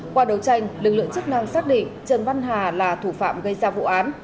qua đấu tranh lực lượng chức năng xác định trần văn hà là thủ phạm gây ra vụ án